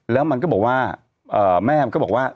แล้วมันก็บอกว่าแม่มันก็บอกว่า